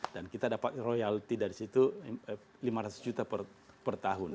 dan kita dapat royalti dari situ lima ratus juta per tahun